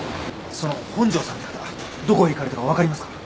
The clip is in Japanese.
その本庄さんって方どこへ行かれたかわかりますか？